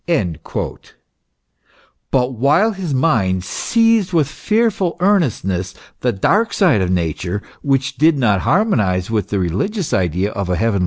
"* But while his mind seized with fearful earnestness the dark side of Nature, which did not harmonize with the religious idea of a heavenly * Kernhafter Auszug J.